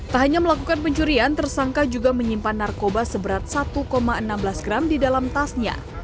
tak hanya melakukan pencurian tersangka juga menyimpan narkoba seberat satu enam belas gram di dalam tasnya